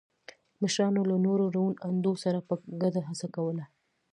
مشرانو له نورو روڼ اندو سره په ګډه هڅه کوله.